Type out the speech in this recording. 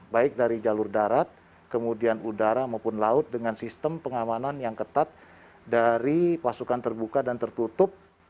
baik dari jalur darat kemudian udara maupun laut dengan sistem pengamanan yang ketat dari pasukan terbuka dan tertutup